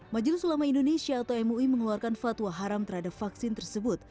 majelis ulama indonesia atau mui mengeluarkan fatwa haram terhadap vaksin tersebut